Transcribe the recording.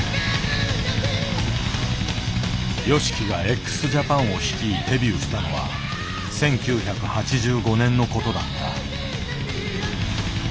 ＹＯＳＨＩＫＩがＸＪＡＰＡＮを率いデビューしたのは１９８５年のことだった。